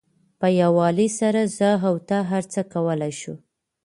په یووالي سره زه او ته هر څه کولای شو.